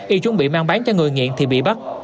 y chuẩn bị mang bán cho người nghiện thì bị bắt